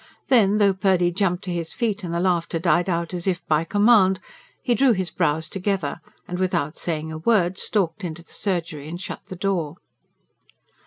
Then, though Purdy jumped to his feet and the laughter died out as if by command, he drew his brows together, and without saying a word, stalked into the surgery and shut the door.